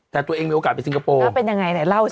แต่ตัวเองมีโอกาสไปซิงโกโปร์